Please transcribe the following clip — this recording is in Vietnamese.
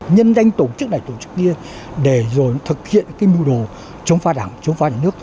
nhân danh tổ chức này tổ chức kia để rồi thực hiện cái mưu đồ chống phá đảng chống phá nhà nước